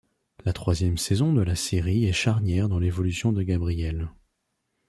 La troisième saison de la série est charnière dans l'évolution de Gabrielle.